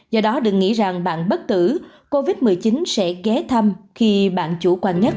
do đó đừng nghĩ rằng bạn bất tử covid một mươi chín sẽ ghé thăm khi bạn chủ quan nhất